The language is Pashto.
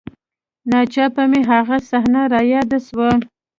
نا څاپه مې هغه صحنه راياده سوه.